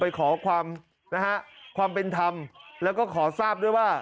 ขอความนะฮะความเป็นธรรมแล้วก็ขอทราบด้วยว่า